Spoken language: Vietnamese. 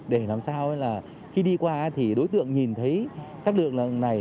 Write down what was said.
để làm sao là khi đi qua thì đối tượng nhìn thấy các đường này